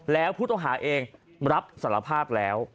แล้วพุทธอาหารเองรับสารภาพแล้ว